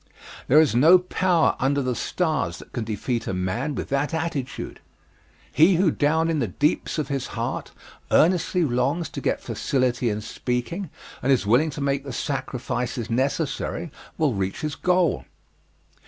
There is no power under the stars that can defeat a man with that attitude. He who down in the deeps of his heart earnestly longs to get facility in speaking, and is willing to make the sacrifices necessary, will reach his goal.